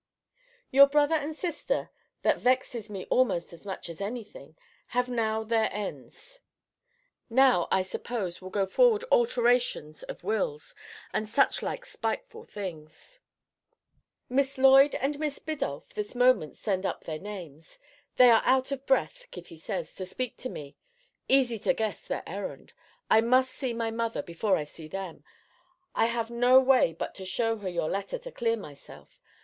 Your brother and sister [that vexes me almost as much as any thing!] have now their ends. Now, I suppose, will go forward alterations of wills, and such like spiteful doings. Miss Lloyd and Miss Biddulph this moment send up their names. They are out of breath, Kitty says, to speak to me easy to guess their errand; I must see my mother, before I see them. I have no way but to shew her your letter to clear myself.